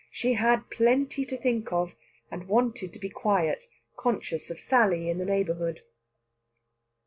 She had plenty to think of, and wanted to be quiet, conscious of Sally in the neighbourhood.